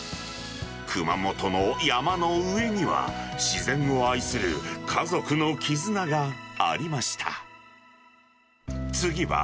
熊本の山の上には、自然を愛する家族の絆がありました。